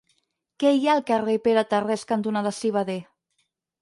Què hi ha al carrer Pere Tarrés cantonada Civader?